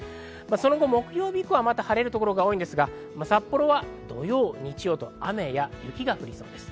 その後、木曜日以降、晴れる所が多いですが札幌は土曜、日曜と雨や雪が降りそうです。